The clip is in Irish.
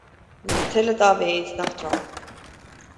Níl tuile dá mhéad nach dtránn.